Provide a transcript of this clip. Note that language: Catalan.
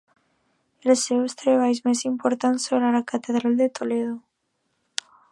Els seus treballs més importants són a la catedral de Toledo.